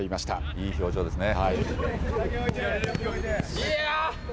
いい表情ですね。